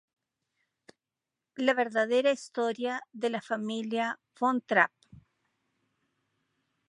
La verdadera historia de la Familia von Trapp